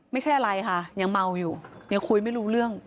ไม่ใช่อะไรค่ะยังเมาอยู่ยังคุยไม่รู้เรื่อง